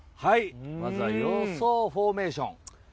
まず予想フォーメーション。